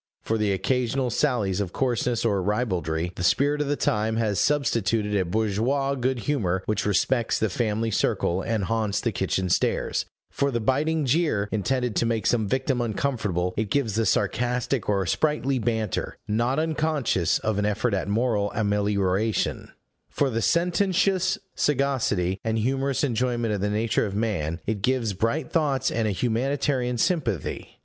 For the occasional sallies of coarseness or ribaldry, the spirit of the time has substituted a bourgeois good humor which respects the family circle, and haunts the kitchen stairs; for the biting jeer, intended to make some victim uncomfortable, it gives the sarcastic or sprightly banter, not unconscious of an effort at moral amelioration; for the sententious sagacity, and humorous enjoyment of the nature of man, it gives bright thoughts and a humanitarian sympathy.